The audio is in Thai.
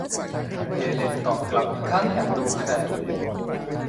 เฮเลนตอบกลับอีกครั้งอย่างดูแคลน